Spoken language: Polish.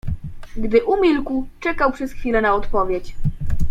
"Gdy umilkł, czekał przez chwile na odpowiedź."